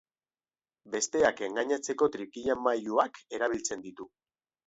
Besteak engainatzeko trikimailuak erabiltzen ditu.